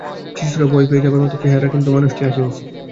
শিশুরা ভয় পেয়ে যাবার মতো চেহারা, কিন্তু মানুষটি হাসিখুশি।